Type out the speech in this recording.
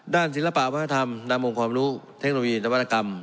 ศิลปะวัฒนธรรมนามองค์ความรู้เทคโนโลยีนวัตกรรม